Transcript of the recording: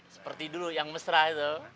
seperti dulu yang mesra itu